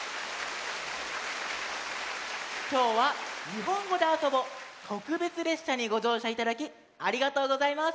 きょうは「にほんごであそぼ」とくべつれっしゃにごじょうしゃいただきありがとうございます。